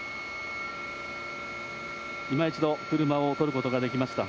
今一度、車を撮ることができました。